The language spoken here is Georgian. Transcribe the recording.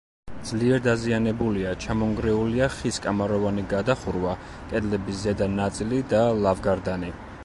ძლიერ დაზიანებულია: ჩამონგრეულია ხის კამაროვანი გადახურვა, კედლების ზედა ნაწილი და ლავგარდანი.